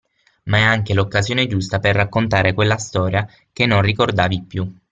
Ma è anche l'occasione giusta per raccontare quella storia che non ricordavi più.